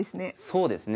そうですね。